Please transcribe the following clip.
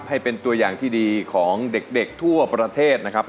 ให้เป็นตัวอย่างที่ดีของเด็กทั่วประเทศนะครับ